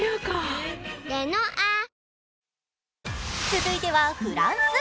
続いてはフランス。